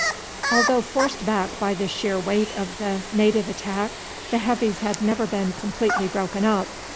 Although forced back by the sheer weight of the native attack, the Heavies had never been completely broken up.